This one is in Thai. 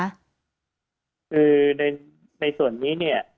ของภูเก็ตไหมคะคือในในส่วนนี้เนี่ย